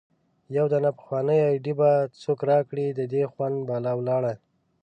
يو دانه پخوانۍ ايډي به څوک را کړي د دې خوند بالا ولاړی